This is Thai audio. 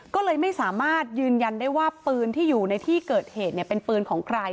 ก็เลยไม่สามารถยืนยันได้ว่าปืนที่อยู่ในที่เกิดเหตุเป็นปืนของใคร